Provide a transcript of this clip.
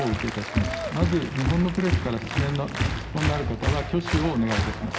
まず日本のプレスから質問のある方は挙手をお願いいたします。